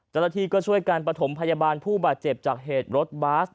เจ้าหน้าที่ก็ช่วยการประถมพยาบาลผู้บาดเจ็บจากเหตุรถบัส